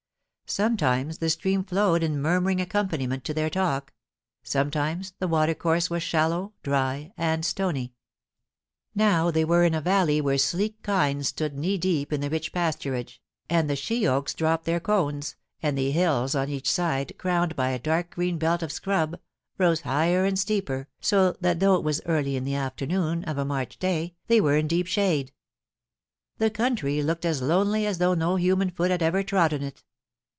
Sometimes the stream flowed in murmur ing accompaniment to their talk ; sometimes the water course was shallow, dry, and stony. Now they were in a valley where sleek kine stood knee deep in the rich pasturage, and 178 POLICY AND PASSION. the she oaks dropped their cones, and the hills on each side, crowned by a dark green belt of scrub, rose higher and steeper, so that though it was early in the afternoon of a March day, they were in deep shade. The country looked as lonely as though no human foot had ever trodden it.